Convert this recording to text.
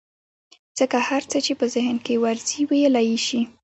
ځکه هر څه چې په ذهن کې ورځي ويلى يې شي.